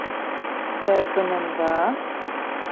Ә ысынында?